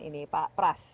ini pak pras